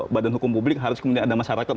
badan hukum publik harus kemudian ada masyarakat